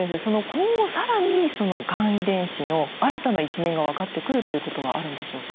今後更にそのがん遺伝子の新たな一面が分かってくるということはあるんでしょうか？